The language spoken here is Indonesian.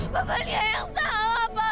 papa lia yang salah pak